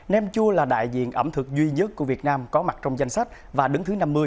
nem chua là đại diện ẩm thực duy nhất của việt nam có mặt trong danh sách và đứng thứ năm mươi